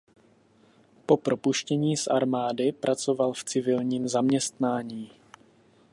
Po propuštění z armády pracoval v civilním zaměstnání.